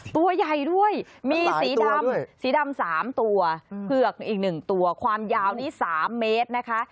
ตัวใหญ่ด้วยมีสีดำสีดำ๓ตัวเผือกอีก๑ตัวความยาวนี้๓เมตรนะคะ